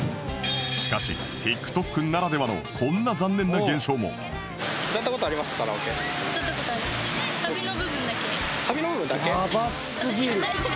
しかし ＴｉｋＴｏｋ ならではのこんな残念な現象もサビの部分だけ？